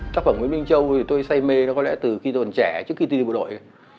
tác phẩm nguyễn minh châu thì tôi say mê nó có lẽ từ khi tôi còn trẻ trước khi tin bộ đội